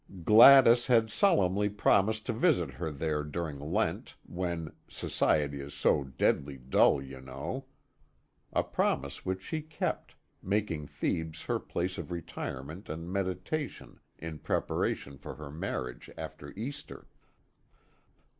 Gladys had solemnly promised to visit her there during Lent, when, "Society is so deadly dull, you know." (A promise which she kept, making Thebes her place of retirement and meditation in preparation for her marriage after Easter.)